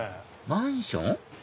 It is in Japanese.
マンション？